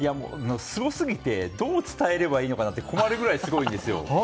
すごすぎてどう伝えればいいのかなって困るぐらいすごいんですよ。